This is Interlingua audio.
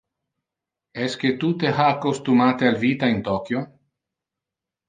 Esque tu te ha accostumate al vita in Tokio?